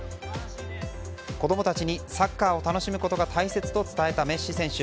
子供たちにサッカーを楽しむことが大切と伝えたメッシ選手。